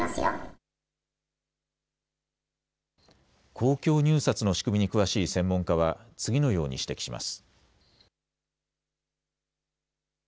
公共入札の仕組みに詳しい専門家は、次のように指摘します。